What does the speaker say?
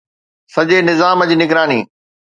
سڄي نظام جي نگراني